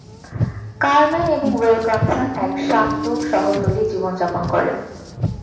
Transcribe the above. কারমেন এবং Wayne Coulson এক শান্ত, শহরতলির জীবনযাপন করে।